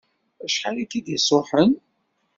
Acḥal i k-d-isuḥen?